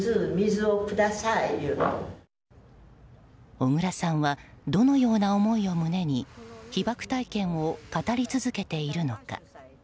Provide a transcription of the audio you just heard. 小倉さんはどのような思いを胸に被爆体験を語り続けているのか。